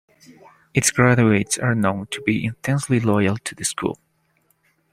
Its graduates are known to be intensely loyal to the school.